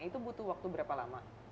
itu butuh waktu berapa lama